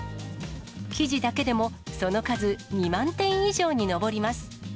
生地だけでもその数２万点以上に上ります。